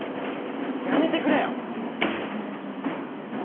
やめてくれよ！